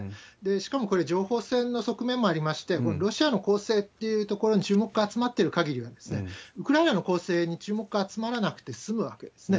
しかもこれ、情報戦の側面もありまして、ロシアの攻勢っていうところに注目が集まっているかぎりは、ウクライナの攻勢に注目が集まらなくて済むわけですね。